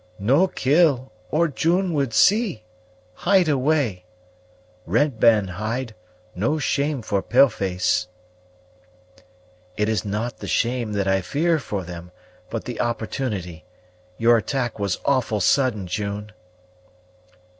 "No kill, or June would see. Hide away! Red man hide; no shame for pale face." "It is not the shame that I fear for them, but the opportunity. Your attack was awfully sudden, June!"